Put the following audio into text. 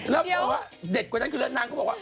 แล้วบอกว่าเด็ดกว่านั้นคือเด็ดกว่านั้นคือเรนนางก็บอกว่า